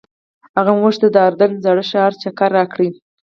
هغه موږ ته د اردن زاړه ښار چکر راکړ.